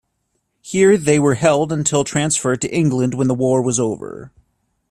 Here they were held until transferred to England when the war was over.